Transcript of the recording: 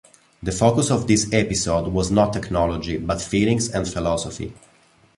The focus of this episode was not technology, but feelings and philosophy.